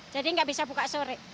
jadi gak bisa buka sore